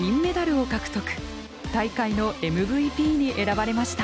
大会のＭＶＰに選ばれました。